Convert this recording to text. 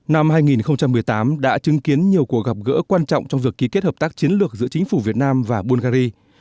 năm hai nghìn một mươi tám đã chứng kiến nhiều cuộc gặp gỡ quan trọng trong việc ký kết hợp tác chiến lược giữa chính phủ việt nam và bungary